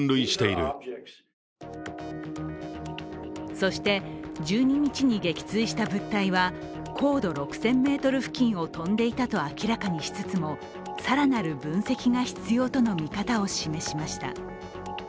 そして、１２日に撃墜した物体は高度６０００ｍ付近を飛んでいたと明らかにしつつも、更なる分析が必要との見方を示しました。